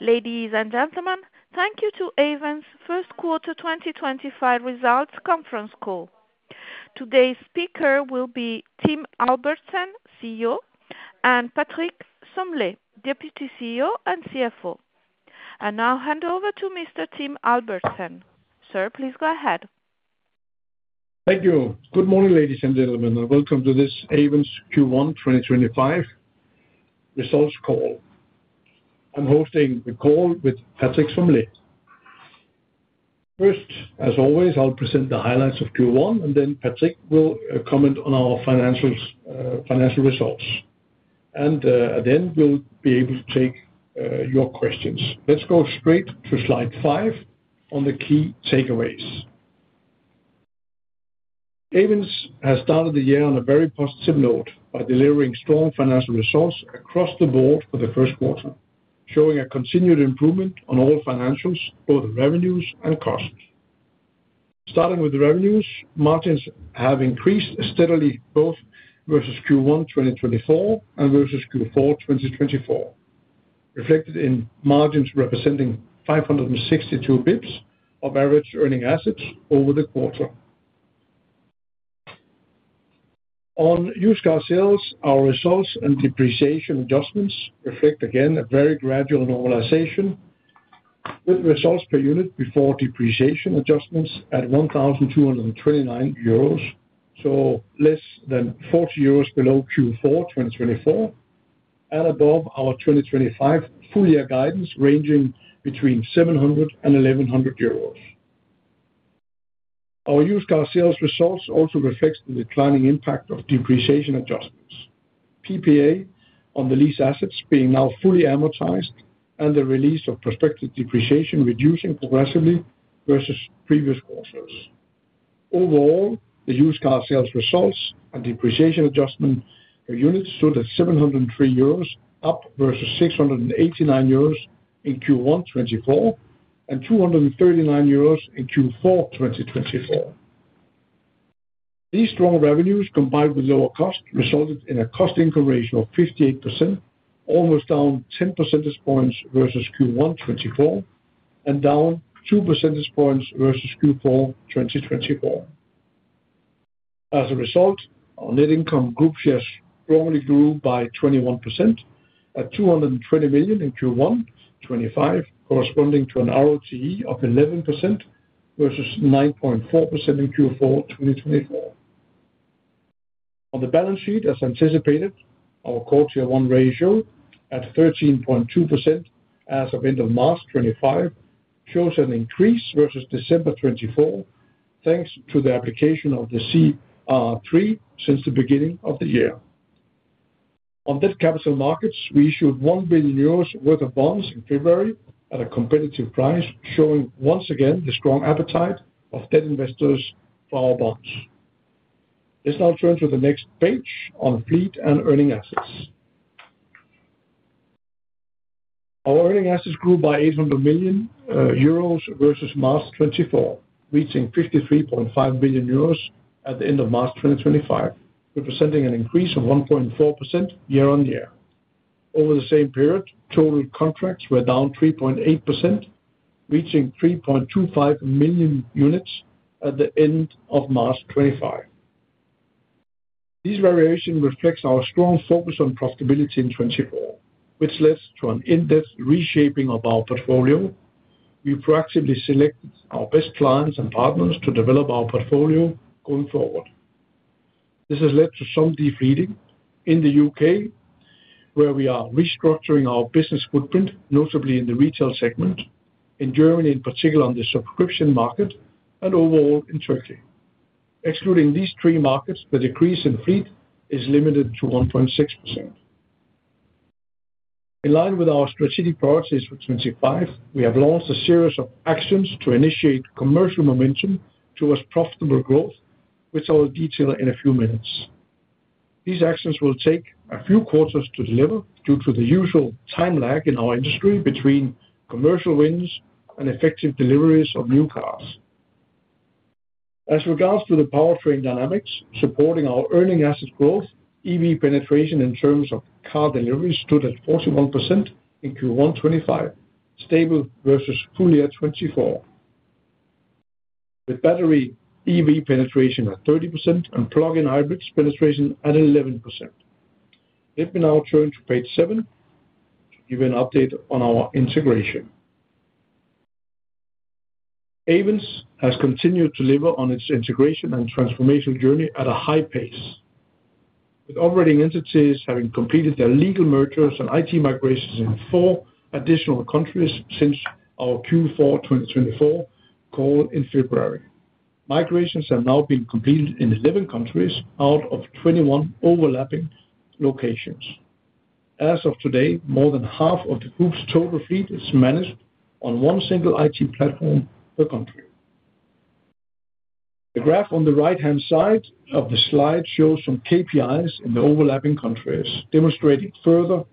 Ladies and gentlemen, thank you to Ayvens' first quarter 2025 results conference call. Today's speaker will be Tim Albertsen, CEO, and Patrick Sommelet, Deputy CEO and CFO. I will hand over to Mr. Tim Albertsen. Sir, please go ahead. Thank you. Good morning, ladies and gentlemen, and welcome to this Ayvens Q1 2025 results call. I'm hosting the call with Patrick Sommelet. First, as always, I'll present the highlights of Q1, and then Patrick will comment on our financial results. Then we'll be able to take your questions. Let's go straight to Slide five on the key takeaways. Ayvens has started the year on a very positive note by delivering strong financial results across the board for the first quarter, showing a continued improvement on all financials for the revenues and costs. Starting with the revenues, margins have increased steadily both versus Q1 2024 and versus Q4 2024, reflected in margins representing 562 basis points of average earning assets over the quarter. On used car sales, our results and depreciation adjustments reflect again a very gradual normalization, with results per unit before depreciation adjustments at 1,229 euros, so less than 40 euros below Q4 2024, and above our 2025 full-year guidance ranging between 700 and 1,100 euros. Our used car sales results also reflect the declining impact of depreciation adjustments, PPA on the lease assets being now fully amortized, and the release of prospective depreciation reducing progressively versus previous quarters. Overall, the used car sales results and depreciation adjustment per unit stood at 703 euros up versus 689 euros in Q1 2024 and 239 euros in Q4 2024. These strong revenues, combined with lower costs, resulted in a cost increase of 58%, almost down 10 percentage points versus Q1 2024, and down two percentage points versus Q4 2024. As a result, our net income group shares strongly grew by 21% at 220 million in Q1 2025, corresponding to an ROTE of 11% versus 9.4% in Q4 2024. On the balance sheet, as anticipated, our core Tier one ratio at 13.2% as of end of March 2025 shows an increase versus December 2024, thanks to the application of the CR3 since the beginning of the year. On debt capital markets, we issued 1 billion euros worth of bonds in February at a competitive price, showing once again the strong appetite of debt investors for our bonds. Let's now turn to the next page on fleet and earning assets. Our earning assets grew by 800 million euros versus March 2024, reaching 53.5 billion euros at the end of March 2025, representing an increase of 1.4% year-on-year. Over the same period, total contracts were down 3.8%, reaching 3.25 million units at the end of March 2025. These variations reflect our strong focus on profitability in 2024, which led to an in-depth reshaping of our portfolio. We proactively selected our best clients and partners to develop our portfolio going forward. This has led to some de-fleeting in the U.K., where we are restructuring our business footprint, notably in the retail segment, in Germany in particular on the subscription market, and overall in Turkey. Excluding these three markets, the decrease in fleet is limited to 1.6%. In line with our strategic priorities for 2025, we have launched a series of actions to initiate commercial momentum towards profitable growth, which I will detail in a few minutes. These actions will take a few quarters to deliver due to the usual time lag in our industry between commercial wins and effective deliveries of new cars. As regards to the powertrain dynamics, supporting our earning asset growth, EV penetration in terms of car deliveries stood at 41% in Q1 2025, stable versus full-year 2024, with battery EV penetration at 30% and plug-in hybrids penetration at 11%. Let me now turn to page seven to give you an update on our integration. Ayvens has continued to deliver on its integration and transformational journey at a high pace, with operating entities having completed their legal mergers and IT migrations in four additional countries since our Q4 2024 call in February. Migrations have now been completed in 11 countries out of 21 overlapping locations. As of today, more than half of the group's total fleet is managed on one single IT platform per country. The graph on the right-hand side of the slide shows some KPIs in the overlapping countries, demonstrating further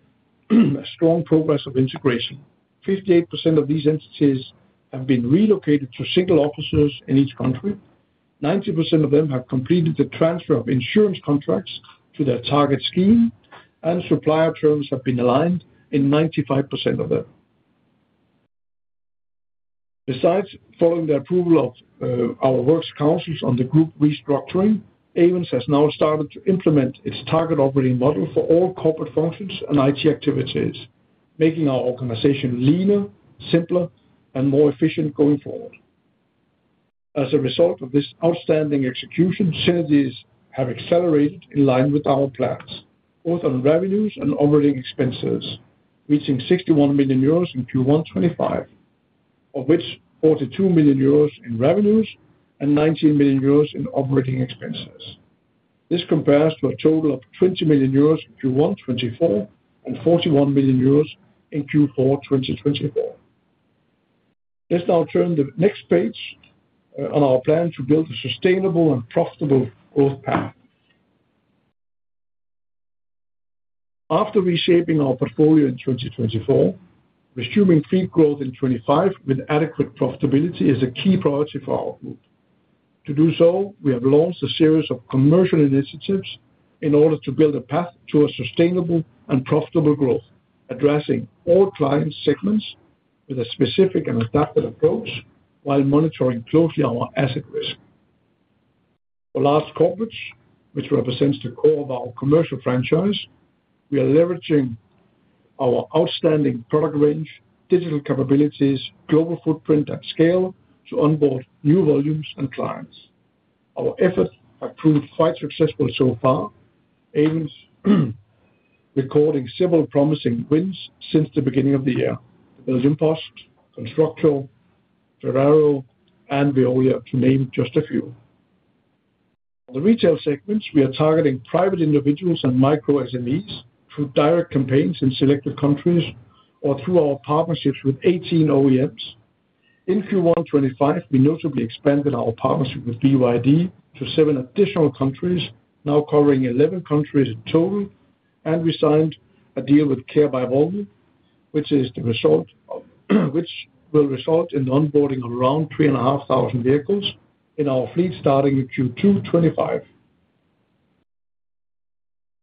strong progress of integration. 58% of these entities have been relocated to single offices in each country. 90% of them have completed the transfer of insurance contracts to their target scheme, and supplier terms have been aligned in 95% of them. Besides, following the approval of our works councils on the group restructuring, Ayvens has now started to implement its target operating model for all corporate functions and IT activities, making our organization leaner, simpler, and more efficient going forward. As a result of this outstanding execution, synergies have accelerated in line with our plans, both on revenues and operating expenses, reaching 61 million euros in Q1 2025, of which 42 million euros in revenues and 19 million euros in operating expenses. This compares to a total of 20 million euros in Q1 2024 and 41 million euros in Q4 2024. Let's now turn to the next page on our plan to build a sustainable and profitable growth path. After reshaping our portfolio in 2024, resuming fleet growth in 2025 with adequate profitability is a key priority for our group. To do so, we have launched a series of commercial initiatives in order to build a path towards sustainable and profitable growth, addressing all client segments with a specific and adaptive approach while monitoring closely our asset risk. For large corporates, which represents the core of our commercial franchise, we are leveraging our outstanding product range, digital capabilities, global footprint, and scale to onboard new volumes and clients. Our efforts have proved quite successful so far, Ayvens recording several promising wins since the beginning of the year: building post, Constructel, Ferrero, and Veolia, to name just a few. On the retail segments, we are targeting private individuals and micro SMEs through direct campaigns in selected countries or through our partnerships with 18 OEMs. In Q1 2025, we notably expanded our partnership with BYD to seven additional countries, now covering 11 countries in total, and we signed a deal with Care by Volvo, which will result in the onboarding of around 3,500 vehicles in our fleet starting in Q2 2025.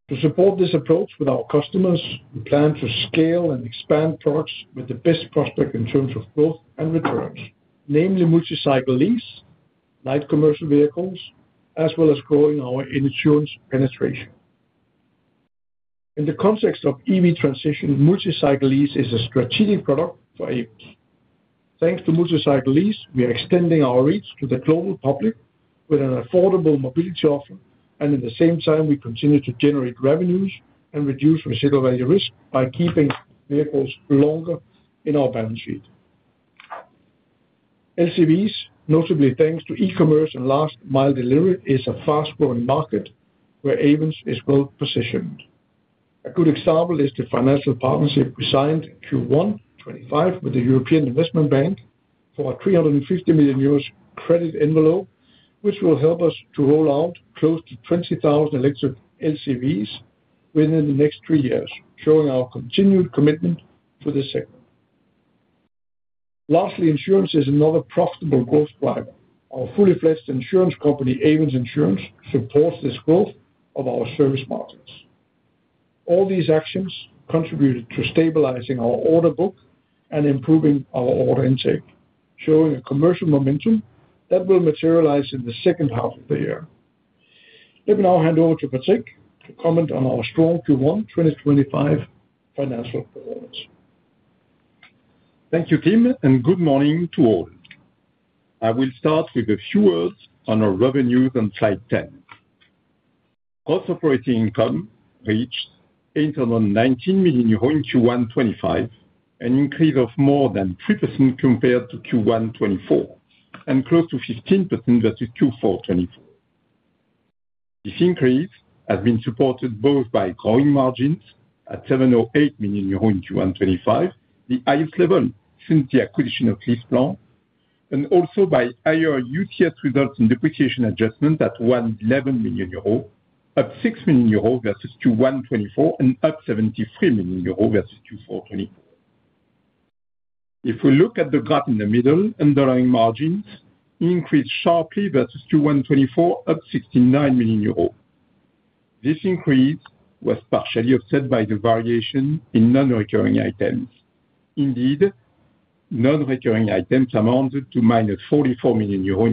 To support this approach with our customers, we plan to scale and expand products with the best prospect in terms of growth and returns, namely multi-cycle lease, light commercial vehicles, as well as growing our insurance penetration. In the context of EV transition, multi-cycle lease is a strategic product for Ayvens. Thanks to multi-cycle lease, we are extending our reach to the global public with an affordable mobility offer, and at the same time, we continue to generate revenues and reduce residual value risk by keeping vehicles longer in our balance sheet. LCVs, notably thanks to e-commerce and last-mile delivery, are a fast-growing market where Ayvens is well positioned. A good example is the financial partnership we signed in Q1 2025 with the European Investment Bank for a 350 million euros credit envelope, which will help us to roll out close to 20,000 electric LCVs within the next three years, showing our continued commitment to this segment. Lastly, insurance is another profitable growth driver. Our fully-fledged insurance company, Ayvens Insurance, supports this growth of our service markets. All these actions contributed to stabilizing our order book and improving our order intake, showing a commercial momentum that will materialize in the second half of the year. Let me now hand over to Patrick to comment on our strong Q1 2025 financial performance. Thank you, Tim, and good morning to all. I will start with a few words on our revenues on Slide 10. Gross operating income reached 819 million euros in Q1 2025, an increase of more than 3% compared to Q1 2024, and close to 15% versus Q4 2024. This increase has been supported both by growing margins at 708 million euro in Q1 2025, the highest level since the acquisition of LeasePlan, and also by higher UCS results and depreciation adjustment at 111 million euros, up 6 million euros versus Q1 2024, and up 73 million euros versus Q4 2024. If we look at the graph in the middle, underlying margins increased sharply versus Q1 2024, up 69 million euros. This increase was partially offset by the variation in non-recurring items. Indeed, non-recurring items amounted to 44 million euro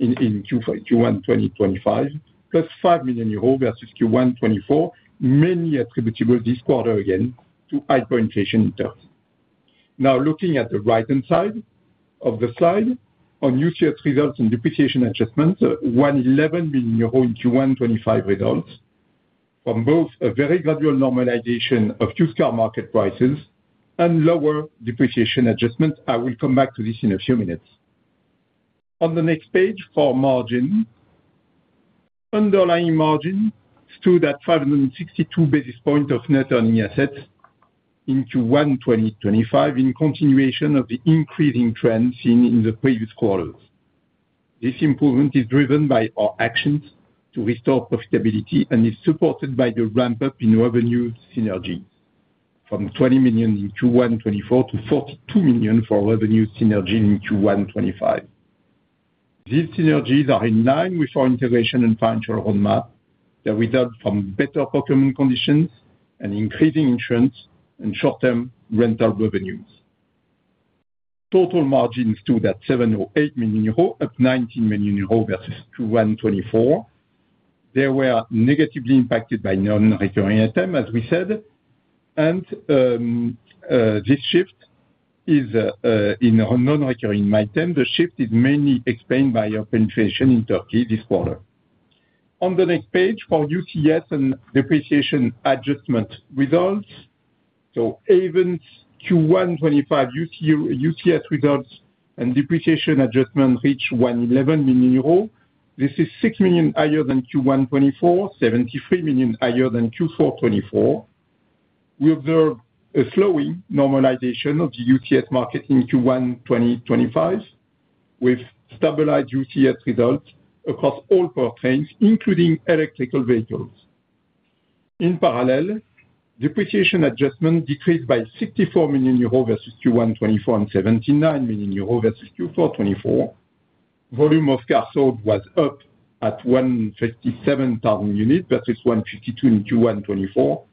in Q1 2025, plus 5 million euro versus Q1 2024, mainly attributable this quarter again to hyperinflation in Turkey. Now, looking at the right-hand side of the slide, on UCS results and depreciation adjustment, 111 million euro in Q1 2025 results, from both a very gradual normalization of used car market prices and lower depreciation adjustment. I will come back to this in a few minutes. On the next page, for margins, underlying margins stood at 562 basis points of net earning assets in Q1 2025, in continuation of the increasing trend seen in the previous quarters. This improvement is driven by our actions to restore profitability and is supported by the ramp-up in revenue synergies, from 20 million in Q1 2024 to 42 million for revenue synergy in Q1 2025. These synergies are in line with our integration and financial roadmap. They result from better procurement conditions and increasing insurance and short-term rental revenues. Total margins stood at 708 million euros, up 19 million euros versus Q1 2024. They were negatively impacted by non-recurring items, as we said, and this shift is in non-recurring items. The shift is mainly explained by our penetration in Turkey this quarter. On the next page, for UCS and depreciation adjustment results, Ayvens Q1 2025 UCS results and depreciation adjustment reached 111 million euro. This is 6 million higher than Q1 2024, 73 million higher than Q4 2024. We observe a slowing normalization of the UCS market in Q1 2025, with stabilized UCS results across all powertrains, including electric vehicles. In parallel, depreciation adjustment decreased by 64 million euros versus Q1 2024 and 79 million euros versus Q4 2024. Volume of cars sold was up at 157,000 units versus 152,000 in Q1 2024,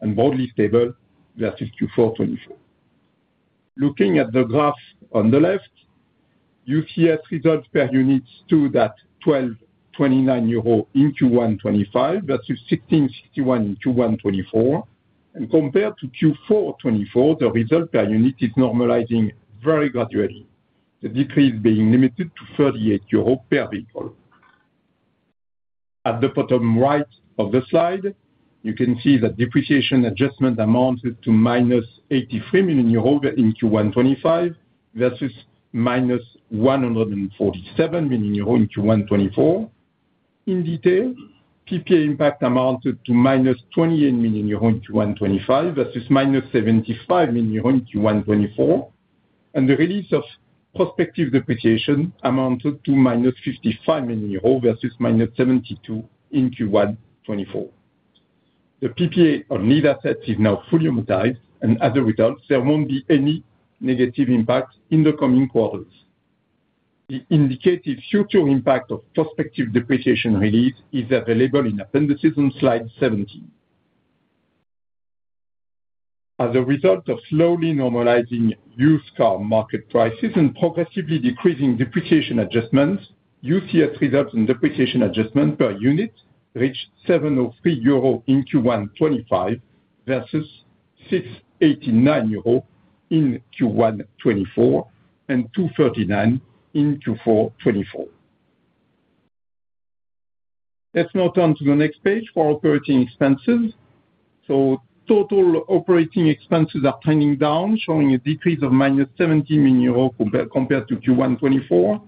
and broadly stable versus Q4 2024. Looking at the graph on the left, UCS results per unit stood at 1,229 euro in Q1 2025 versus 1,661 in Q1 2024. Compared to Q4 2024, the result per unit is normalizing very gradually, the decrease being limited to 38 euro per vehicle. At the bottom right of the slide, you can see that depreciation adjustment amounted to 83 million euro in Q1 2025 versus 147 million euro in Q1 2024. In detail, PPA impact amounted to 28 million euro in Q1 2025 versus 75 million euro in Q1 2024, and the release of prospective depreciation amounted to 55 million euros versus 72 million in Q1 2024. The PPA on lease assets is now fully amortized, and as a result, there will not be any negative impact in the coming quarters. The indicative future impact of prospective depreciation release is available in appendices on Slide 17. As a result of slowly normalizing used car market prices and progressively decreasing depreciation adjustments, UCS results and depreciation adjustment per unit reached 703 euro in Q1 2025 versus 689 euro in Q1 2024 and 239 in Q4 2024. Let's now turn to the next page for operating expenses. Total operating expenses are trending down, showing a decrease of 17 million euros compared to Q1 2024.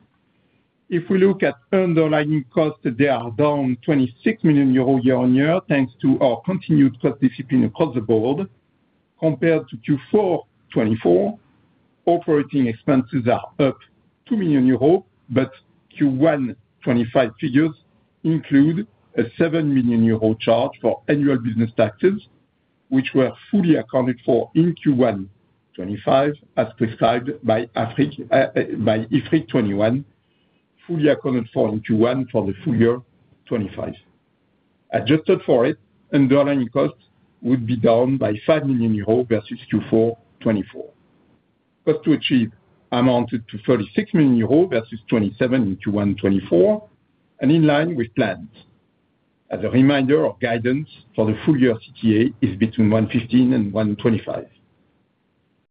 If we look at underlying costs, they are down 26 million euro year-on-year thanks to our continued cost discipline across the board. Compared to Q4 2024, operating expenses are up 2 million euros, but Q1 2025 figures include a 7 million euro charge for annual business taxes, which were fully accounted for in Q1 2025, as prescribed by IFRIC 21, fully accounted for in Q1 for the full year 2025. Adjusted for it, underlying costs would be down by 5 million euros versus Q4 2024. Cost to achieve amounted to 36 million euros versus 27 million in Q1 2024, and in line with plans. As a reminder, our guidance for the full year CTA is between 115 and 125.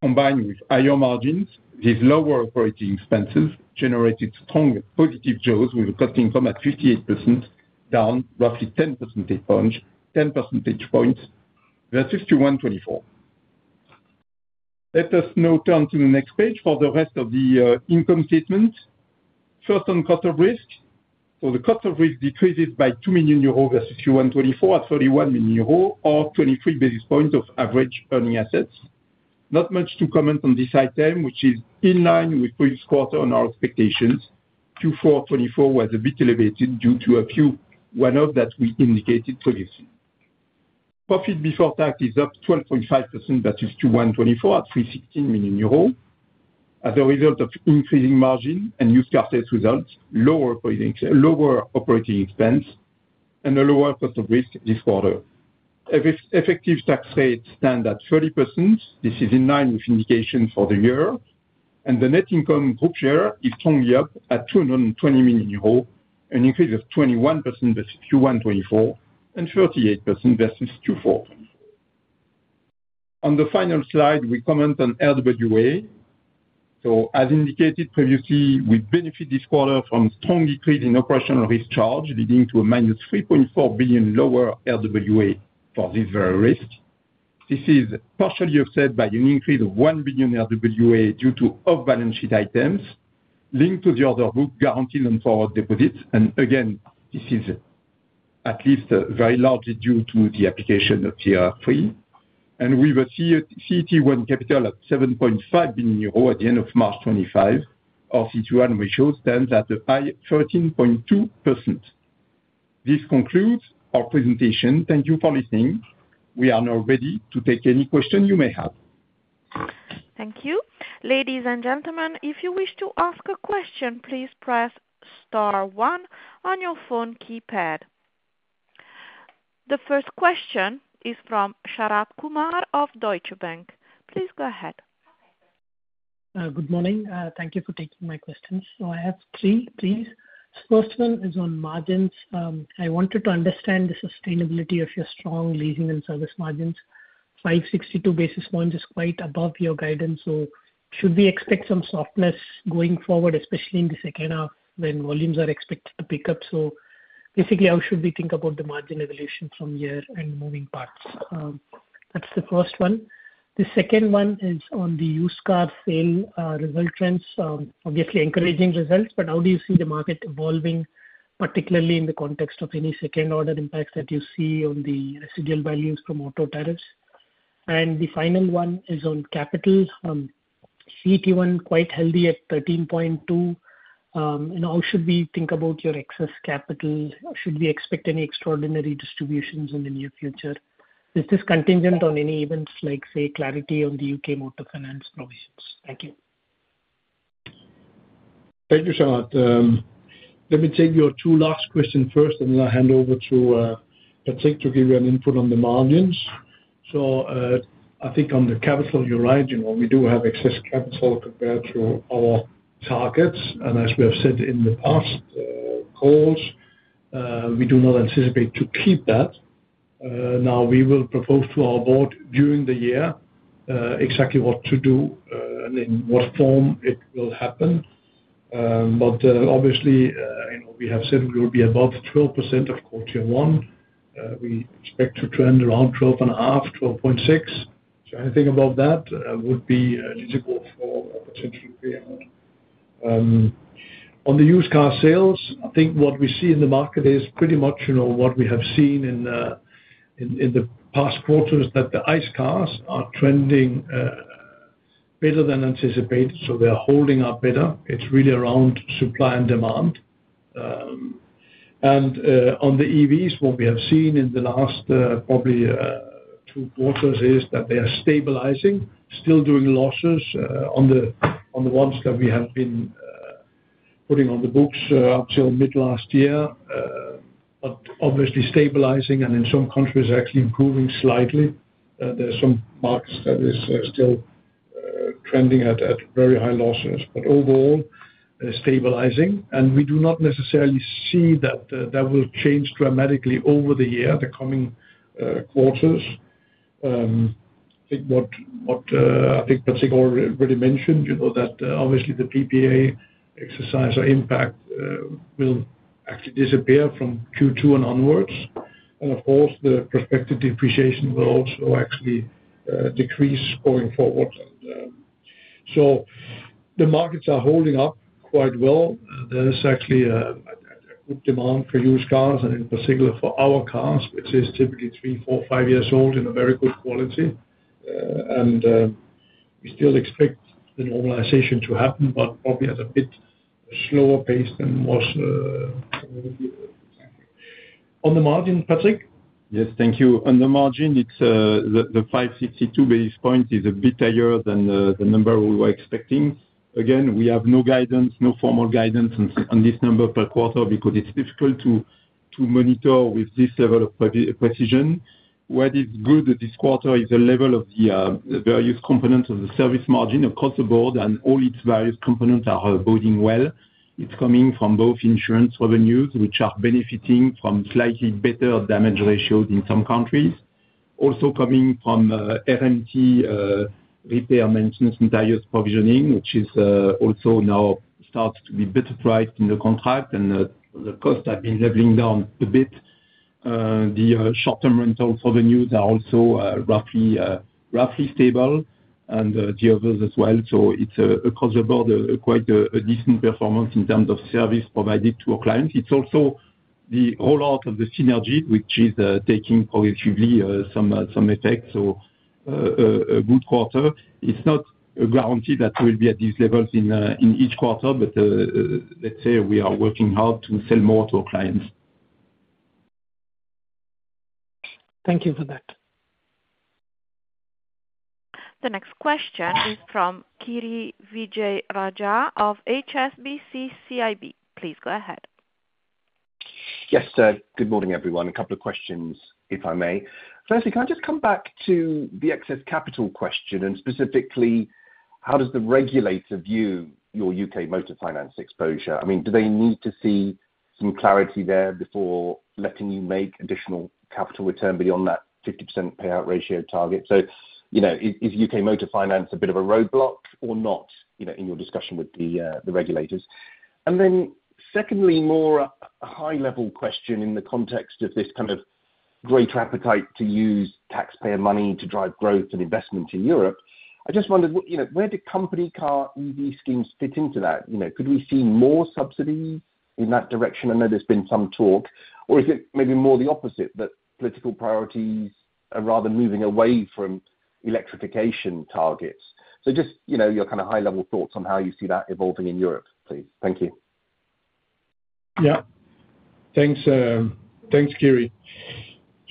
Combined with higher margins, these lower operating expenses generated strong positive growth, with a cost income at 58% down roughly 10 percentage points versus Q1 2024. Let us now turn to the next page for the rest of the income statements. First, on cost of risk. The cost of risk decreases by 2 million euros versus Q1 2024 at 31 million euros, or 23 basis points of average earning assets. Not much to comment on this item, which is in line with previous quarter on our expectations. Q4 2024 was a bit elevated due to a few one-offs that we indicated previously. Profit before tax is up 12.5% versus Q1 2024 at 316 million euros. As a result of increasing margin and used car sales results, lower operating expense, and a lower cost of risk this quarter. Effective tax rates stand at 30%. This is in line with indications for the year. The net income group share is strongly up at 220 million euros, an increase of 21% versus Q1 2024 and 38% versus Q4 2024. On the final slide, we comment on RWA. As indicated previously, we benefit this quarter from a strong decrease in operational risk charge, leading to a 3.4 billion lower RWA for this very risk. This is partially offset by an increase of 1 billion RWA due to off-balance sheet items linked to the order book, guaranteed on forward deposits. This is at least very largely due to the application of Tier three. We have a CT1 capital at 7.5 billion euro at the end of March 2025. Our CT1 ratio stands at a high 13.2%. This concludes our presentation. Thank you for listening. We are now ready to take any questions you may have. Thank you. Ladies and gentlemen, if you wish to ask a question, please press star one on your phone keypad. The first question is from Sharath Kumar of Deutsche Bank. Please go ahead. Good morning. Thank you for taking my questions. I have three, please. The first one is on margins. I wanted to understand the sustainability of your strong leasing and service margins. 562 basis points is quite above your guidance, so should we expect some softness going forward, especially in the second half when volumes are expected to pick up? Basically, how should we think about the margin evolution from here and moving parts? That is the first one. The second one is on the used car sale result trends. Obviously, encouraging results, but how do you see the market evolving, particularly in the context of any second-order impacts that you see on the residual values from auto tariffs? The final one is on capital. CT1 quite healthy at 13.2%. How should we think about your excess capital? Should we expect any extraordinary distributions in the near future? Is this contingent on any events like, say, clarity on the U.K. motor finance provisions? Thank you. Thank you, Sharath. Let me take your two last questions first, and then I'll hand over to Patrick to give you an input on the margins. I think on the capital, you're right. We do have excess capital compared to our targets. As we have said in the past calls, we do not anticipate to keep that. We will propose to our board during the year exactly what to do and in what form it will happen. Obviously, we have said we will be above 12% of core Tier one. We expect to trend around 12.5%-12.6%. Anything above that would be eligible for a potential payout. On the used car sales, I think what we see in the market is pretty much what we have seen in the past quarters, that the ICE cars are trending better than anticipated. They are holding up better. It's really around supply and demand. On the EVs, what we have seen in the last probably two quarters is that they are stabilizing, still doing losses on the ones that we have been putting on the books up till mid-last year, but obviously stabilizing and in some countries actually improving slightly. There are some markets that are still trending at very high losses, but overall stabilizing. We do not necessarily see that that will change dramatically over the year, the coming quarters. I think what Patrick already mentioned, that obviously the PPA exercise or impact will actually disappear from Q2 and onwards. Of course, the prospective depreciation will also actually decrease going forward. The markets are holding up quite well. There is actually a good demand for used cars, and in particular for our cars, which are typically three, four, five years old and of very good quality. We still expect the normalization to happen, but probably at a bit slower pace than was expected. On the margin, Patrick? Yes, thank you. On the margin, the 562 basis point is a bit higher than the number we were expecting. Again, we have no guidance, no formal guidance on this number per quarter because it is difficult to monitor with this level of precision. What is good this quarter is the level of the various components of the service margin across the board, and all its various components are boding well. It is coming from both insurance revenues, which are benefiting from slightly better damage ratios in some countries. Also coming from RMT repair maintenance and tires provisioning, which also now starts to be better priced in the contract, and the costs have been leveling down a bit. The short-term rental revenues are also roughly stable, and the others as well. It is across the board quite a decent performance in terms of service provided to our clients. is also the rollout of the synergy, which is taking progressively some effect. A good quarter. It is not guaranteed that we will be at these levels in each quarter, but let's say we are working hard to sell more to our clients. Thank you for that. The next question is from Kiri Vijayarajah of HSBC CIB. Please go ahead. Yes, good morning, everyone. A couple of questions, if I may. Firstly, can I just come back to the excess capital question, and specifically, how does the regulator view your U.K. motor finance exposure? I mean, do they need to see some clarity there before letting you make additional capital return beyond that 50% payout ratio target? Is U.K. motor finance a bit of a roadblock or not in your discussion with the regulators? Secondly, more a high-level question in the context of this kind of greater appetite to use taxpayer money to drive growth and investment in Europe. I just wondered, where do company car EV schemes fit into that? Could we see more subsidies in that direction? I know there's been some talk. Is it maybe more the opposite, that political priorities are rather moving away from electrification targets? Just your kind of high-level thoughts on how you see that evolving in Europe, please. Thank you. Yeah. Thanks, Kiri.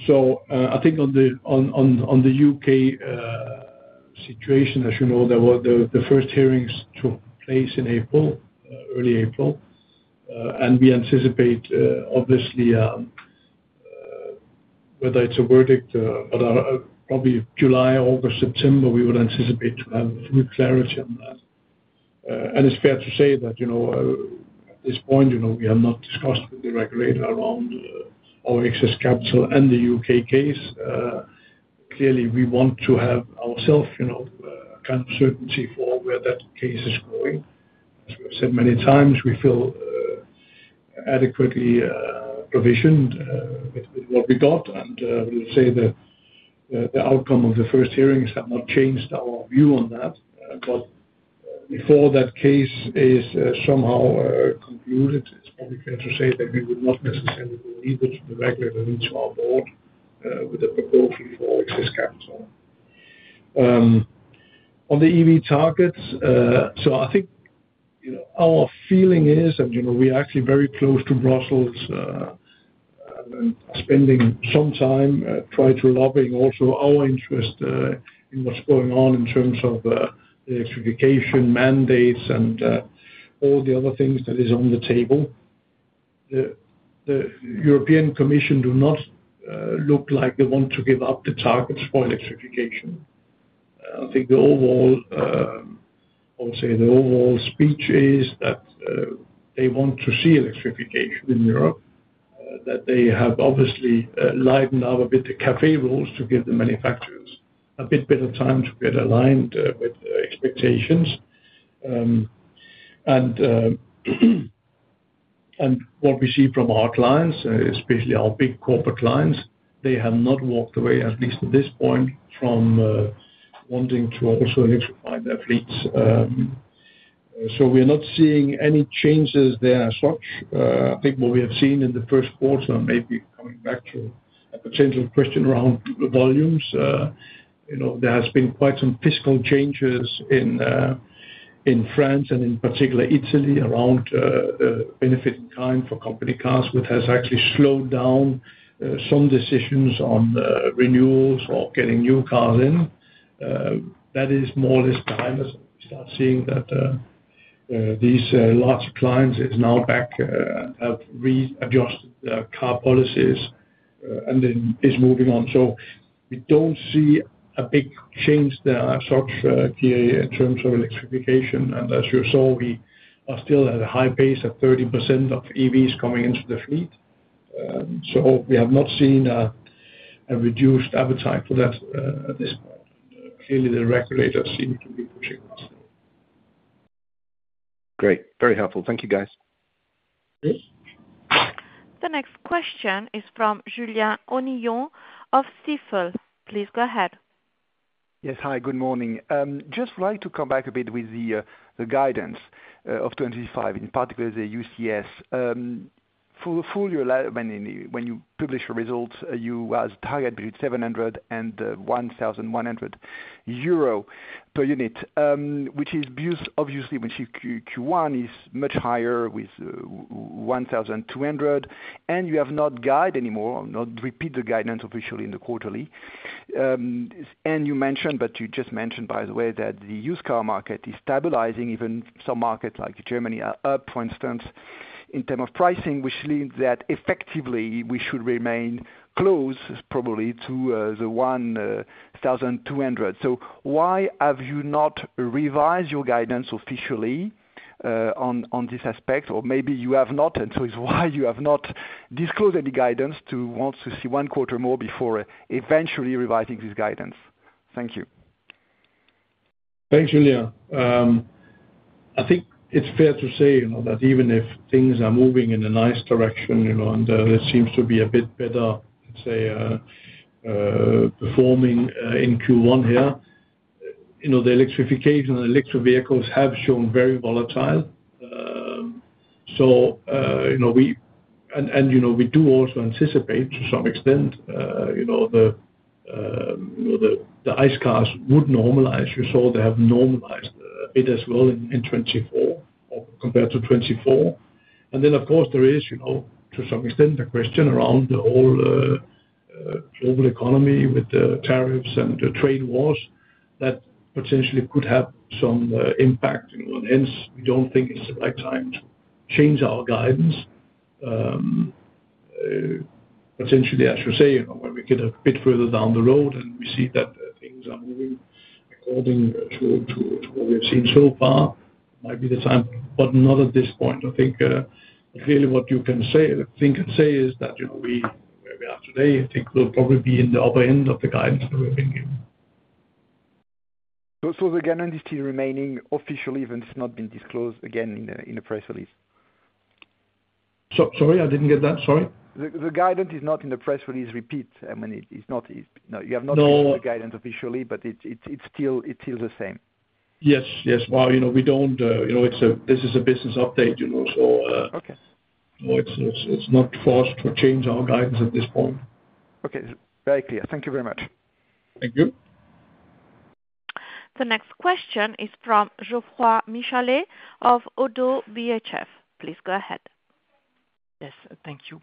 I think on the U.K. situation, as you know, the first hearings took place in April, early April. We anticipate, obviously, whether it is a verdict, but probably July, August, September, we would anticipate to have full clarity on that. It is fair to say that at this point, we have not discussed with the regulator around our excess capital and the U.K. case. Clearly, we want to have ourselves kind of certainty for where that case is going. As we have said many times, we feel adequately provisioned with what we got. I would say the outcome of the first hearings has not changed our view on that. Before that case is somehow concluded, it is probably fair to say that we would not necessarily leave it to the regulator, leave it to our board with a proposal for excess capital. On the EV targets, I think our feeling is, and we are actually very close to Brussels, and are spending some time trying to lobby also our interest in what's going on in terms of electrification mandates and all the other things that are on the table. The European Commission does not look like they want to give up the targets for electrification. I think the overall, I would say the overall speech is that they want to see electrification in Europe, that they have obviously lightened up a bit the CAFE rules to give the manufacturers a bit better time to get aligned with expectations. What we see from our clients, especially our big corporate clients, they have not walked away, at least at this point, from wanting to also electrify their fleets. We are not seeing any changes there as such. I think what we have seen in the first quarter, maybe coming back to a potential question around volumes, there has been quite some fiscal changes in France and in particular Italy around benefiting time for company cars, which has actually slowed down some decisions on renewals or getting new cars in. That is more or less behind us. We start seeing that these large clients are now back and have readjusted their car policies and then are moving on. We do not see a big change there as such, Kiri, in terms of electrification. As you saw, we are still at a high pace at 30% of EVs coming into the fleet. We have not seen a reduced appetite for that at this point. Clearly, the regulator seems to be pushing us. Great. Very helpful. Thank you, guys. The next question is from Julien Onillon of Stifel. Please go ahead. Yes. Hi, good morning. Just would like to come back a bit with the guidance of 2025, in particular the UCS. For your life, when you publish your results, you are targeted between 700 euro and 1,100 euro per unit, which is obviously when Q1 is much higher with 1,200. You have not guided anymore, not repeated the guidance officially in the quarterly. You mentioned, by the way, that the used car market is stabilizing. Even some markets like Germany are up, for instance, in terms of pricing, which leads that effectively we should remain close, probably, to the 1,200. Why have you not revised your guidance officially on this aspect? Or maybe you have not, and it is why you have not disclosed any guidance, to want to see one quarter more before eventually revising this guidance? Thank you. Thanks, Julien. I think it's fair to say that even if things are moving in a nice direction, and there seems to be a bit better, let's say, performing in Q1 here, the electrification and electric vehicles have shown very volatile. We do also anticipate to some extent the ICE cars would normalize. You saw they have normalized a bit as well in 2024 compared to 2024. There is, to some extent, the question around the whole global economy with the tariffs and the trade wars that potentially could have some impact. Hence, we don't think it's the right time to change our guidance. Potentially, as you say, when we get a bit further down the road and we see that things are moving according to what we have seen so far, it might be the time, but not at this point. I think clearly what you can say, I think I can say is that we have today, I think we'll probably be in the upper end of the guidance that we have been given. Is it remaining official even if it's not been disclosed again in the press release? Sorry, I didn't get that. Sorry. The guidance is not in the press release. I mean, it's not. You have not seen the guidance officially, but it's still the same. Yes. Yes. We do not, this is a business update. So it is not forced to change our guidance at this point. Okay. Very clear. Thank you very much. Thank you. The next question is from Geoffroy Michelet of ODDO BHF. Please go ahead. Yes. Thank you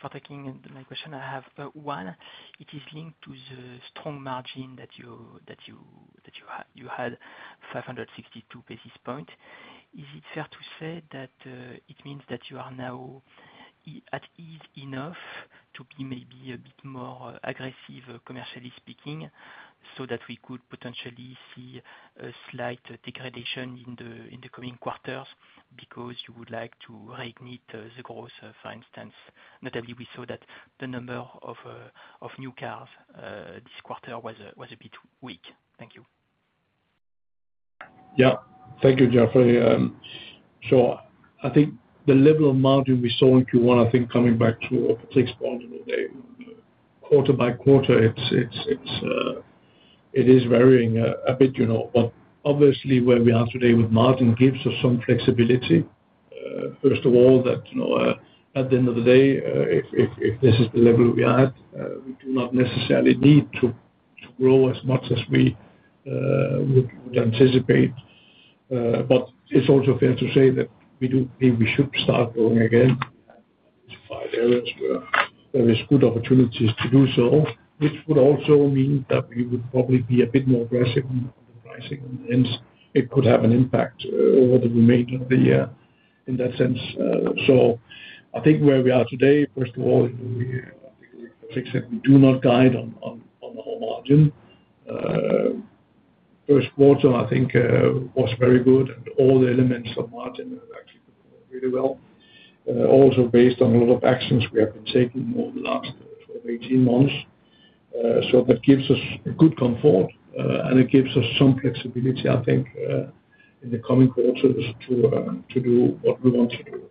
for taking my question. I have one. It is linked to the strong margin that you had, 562 basis points. Is it fair to say that it means that you are now at ease enough to be maybe a bit more aggressive, commercially speaking, so that we could potentially see a slight degradation in the coming quarters because you would like to reignite the growth, for instance? Notably, we saw that the number of new cars this quarter was a bit weak. Thank you. Yeah. Thank you, Geoffrey. I think the level of margin we saw in Q1, coming back to fixed point of day, quarter by quarter, it is varying a bit. Obviously, where we are today with margin gives us some flexibility. First of all, at the end of the day, if this is the level we are at, we do not necessarily need to grow as much as we would anticipate. It's also fair to say that we do believe we should start growing again. There are areas where there are good opportunities to do so, which would also mean that we would probably be a bit more aggressive on the pricing. Hence, it could have an impact over the remainder of the year in that sense. I think where we are today, first of all, I think we do not guide on our margin. First quarter, I think, was very good, and all the elements of margin have actually performed really well. Also, based on a lot of actions we have been taking over the last 18 months. That gives us good comfort, and it gives us some flexibility, I think, in the coming quarters to do what we want to do.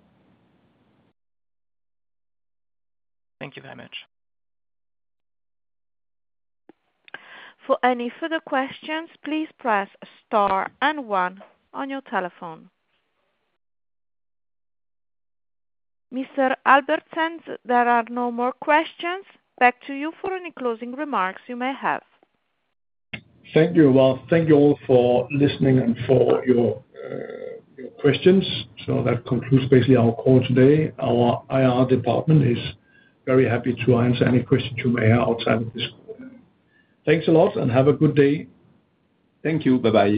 Thank you very much. For any further questions, please press star and one on your telephone. Mr. Albertsen, there are no more questions. Back to you for any closing remarks you may have. Thank you. Thank you all for listening and for your questions. That concludes basically our call today. Our IR department is very happy to answer any questions you may have outside of this call. Thanks a lot and have a good day. Thank you. Bye-bye.